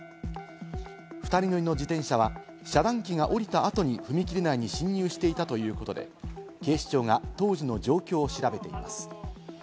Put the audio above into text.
２人乗りの自転車は、遮断機が下りた後に踏切内に進入していたということで、警視庁が当時の状況を調べています。